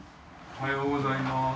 おはようございます。